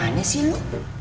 kok kemana sih lu